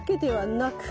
なく。